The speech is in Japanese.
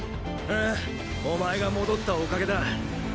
ああお前が戻ったおかげだ。